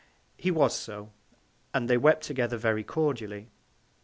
He was so, and they wept together very cordially.